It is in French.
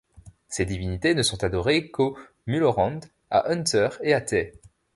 Ces divinités ne sont adorés qu'au Mulhorande, à Unther et à Thay.